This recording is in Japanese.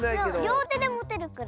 りょうてでもてるくらい。